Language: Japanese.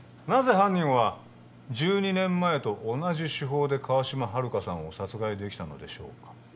犯人は１２年前と同じ手法で川島春香さんを殺害できたのでしょうか？